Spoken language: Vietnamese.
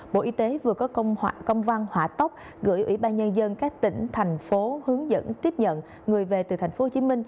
bộ y tế vừa có công văn hỏa tốc gửi ủy ban nhân dân các tỉnh thành phố hướng dẫn tiếp nhận người về từ tp hcm